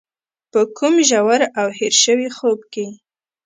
په کوم ژور او هېر شوي خوب کې.